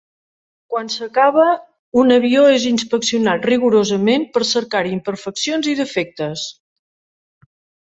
Quan s'acaba, un avió és inspeccionat rigorosament per cercar-hi imperfeccions i defectes.